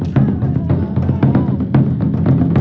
โชว์เค็นโด